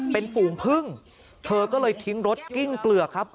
เป็นฝูงพึ่งเธอก็เลยทิ้งรถกิ้งเกลือกครับ